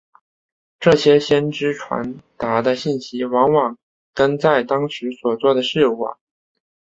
这些先知传达的信息往往跟在当时所做的事有关。